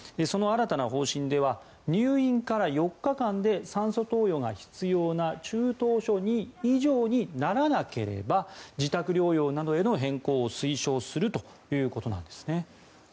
その新たな方針では入院から４日間で酸素投与が必要な中等症２以上にならなければ自宅療養などへの変更を推奨するということなんです。